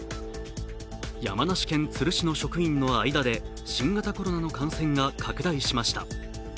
山梨県都留市の職員の間で新型コロナの感染が拡大しました。